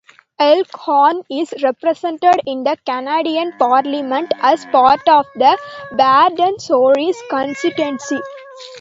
Elkhorn is represented in the Canadian Parliament as part of the Brandon-Souris Constituency.